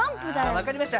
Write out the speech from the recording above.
わかりました。